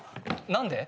何で？